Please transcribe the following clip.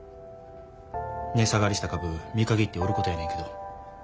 値下がりした株見限って売ることやねんけど。